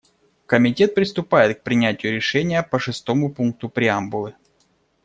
Комитет приступает к принятию решения по шестому пункту преамбулы.